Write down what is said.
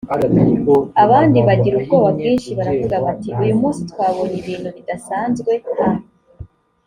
abandi bagira ubwoba bwinshi baravuga bati uyu munsi twabonye ibintu bidasanzwe a